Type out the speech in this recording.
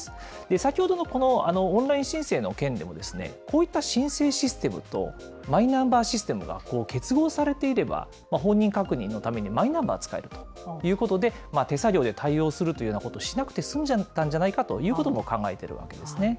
先ほどのこのオンライン申請の件でも、こういった申請システムと、マイナンバーシステムが結合されていれば、本人確認のためにマイナンバーが使えるということで、手作業で対応するというようなことをしなくても済んだんじゃないかということも考えているわけなんですね。